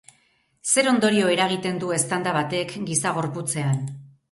Zer ondorio eragiten du eztanda batek giza gorputzean?